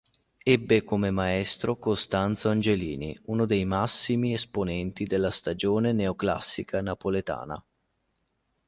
Ebbe come maestro Costanzo Angelini, uno dei massimi esponenti della stagione neoclassica napoletana.